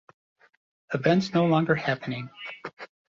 Events no-longer happening.